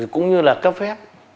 cũng như là cấp phép